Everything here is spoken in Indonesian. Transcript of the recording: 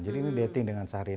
jadi ini dating dengan syahrini